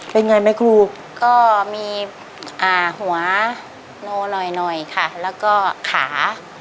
เป็นไงไหมครูก็มีหัวโนหน่อยหน่อยค่ะแล้วก็ขา